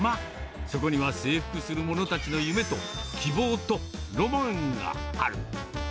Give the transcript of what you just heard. そこには征服する者たちの夢と希望とロマンがある。